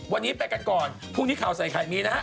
วันนี้ไปกันก่อนพรุ่งนี้ข่าวใส่ไข่มีนะฮะ